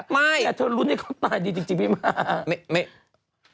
ไม่แต่ฉันรู้นี่เขาตายดีจริงมาก